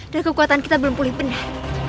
dan kekuatan kita belum pulih benar